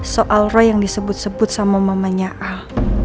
soal roy yang disebut sebut sama mamanya al